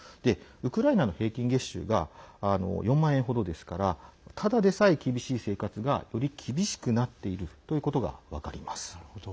ウクライナの平均月収が４万円程ですからただでさえ厳しい生活がより厳しくなっているということが分かります。